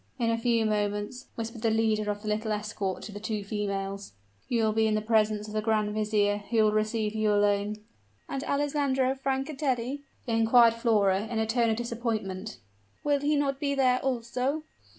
"In a few moments," whispered the leader of the little escort to the two females, "you will be in the presence of the grand vizier, who will receive you alone." "And Alessandro Francatelli?" inquired Flora, in a tone of disappointment, "will he not be there also?"